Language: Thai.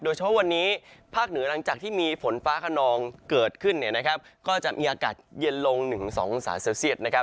เฉพาะวันนี้ภาคเหนือหลังจากที่มีฝนฟ้าขนองเกิดขึ้นเนี่ยนะครับก็จะมีอากาศเย็นลง๑๒องศาเซลเซียตนะครับ